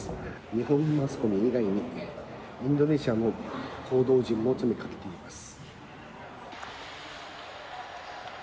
日本のマスコミ以外にインドネシアの報道陣も詰めかけています。